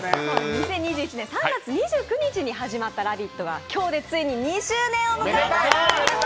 ２０２１年３月２９日に始まった「ラヴィット！」が今日でついに２周年を迎えました！